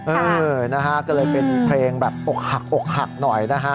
เออนะฮะก็เลยเป็นเพลงแบบอกหักอกหักหน่อยนะฮะ